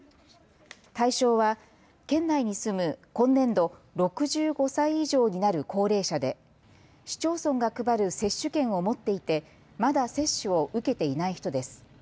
対象は県内に住む今年度６５歳以上になる高齢者で市町村が配る接種券を持っていてまだ接種を受けていない人です。